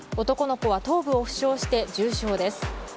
男の子は頭部を負傷して重傷です。